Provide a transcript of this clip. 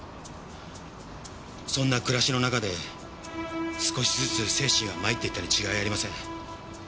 そんな暮らしの中で少しずつ精神は参っていったに違いありません。